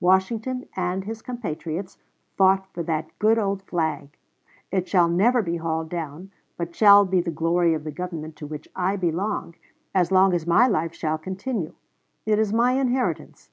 Washington and his compatriots fought for that good old flag. It shall never be hauled down, but shall be the glory of the Government to which I belong, as long as my life shall continue.... It is my inheritance.